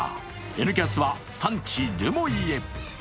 「Ｎキャス」は産地・留萌へ。